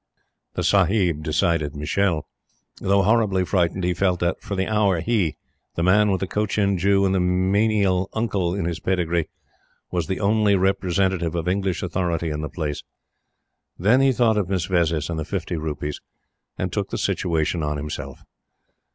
The "Sahib" decided Michele. Though horribly frightened, he felt that, for the hour, he, the man with the Cochin Jew and the menial uncle in his pedigree, was the only representative of English authority in the place. Then he thought of Miss Vezzis and the fifty rupees, and took the situation on himself.